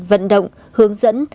vận động hướng dẫn